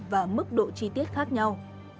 và mức độ chi tiết khác nhau